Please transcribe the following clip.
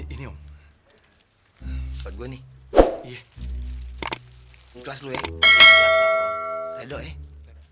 ini om buat gue nih kelas lu ya